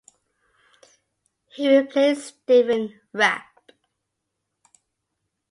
He replaced Stephen Rapp.